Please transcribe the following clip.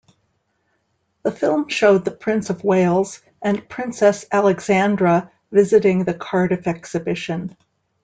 The film showed the Prince of Wales and Princess Alexandra visiting the Cardiff Exhibition.